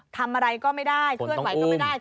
ทำอะไรก็ไม่ได้เคลื่อนไหวก็ไม่ได้